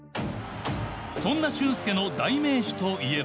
そんな俊輔の代名詞といえば。